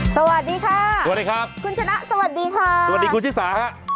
สวัสดีค่ะสวัสดีครับคุณชนะสวัสดีค่ะสวัสดีคุณชิสาฮะ